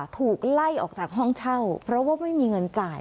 ถูกไล่ออกจากห้องเช่าเพราะว่าไม่มีเงินจ่าย